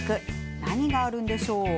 何があるんでしょう？